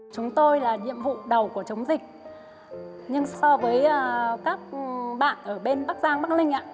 chúng tôi là nhiệm vụ đầu của chống dịch nhưng so với các bạn ở bên bắc giang bắc ninh